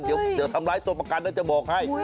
เดี๋ยวทำร้ายตัวประกันแล้วจะบอกให้